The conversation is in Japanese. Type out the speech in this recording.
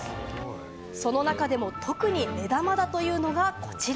その中でも特に目玉だというのがこちら。